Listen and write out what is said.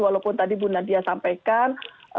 walaupun tadi bu nadia sampaikan